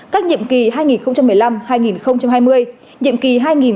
các nhiệm kỳ hai nghìn một mươi năm hai nghìn hai mươi nhiệm kỳ hai nghìn hai mươi hai nghìn hai mươi năm